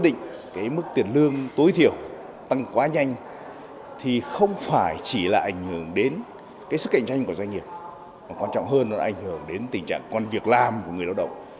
nếu lương tối thiểu tăng quá nhanh thì không phải chỉ là ảnh hưởng đến sức cạnh tranh của doanh nghiệp mà quan trọng hơn là ảnh hưởng đến tình trạng quan việc làm của người lao động